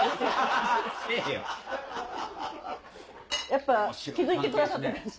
やっぱ気付いてくださったんですね。